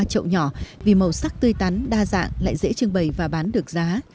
trậu nhỏ vì màu sắc tươi tắn đa dạng lại dễ trưng bày và bán được giá